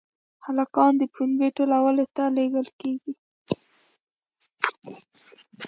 هلکان د پنبې ټولولو ته لېږل کېږي.